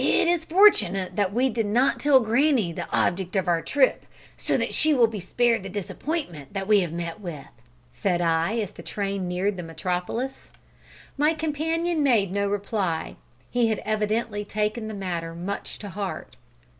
"It is fortunate that we did not tell granny the object of our trip, so that she will be spared the disappointment that we have met with," said I, as the train neared the metropolis. My companion made no reply; he had evidently taken the matter much to heart.